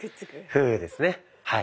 ふうですねはい。